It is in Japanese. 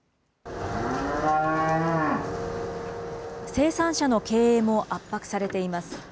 生産者の経営も圧迫されています。